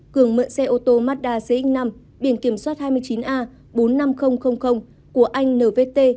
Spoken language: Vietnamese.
cường mượn xe ô tô mazda cx năm biển kiểm soát hai mươi chín a bốn nghìn năm trăm linh của anh nvt